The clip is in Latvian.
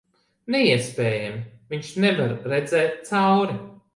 Neiespējami. Viņš nevar redzēt cauri...